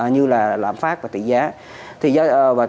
như là lãm phát và tỷ giá